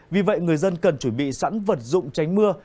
vì vậy người dân cần chuẩn bị sẵn vật dụng tránh mưa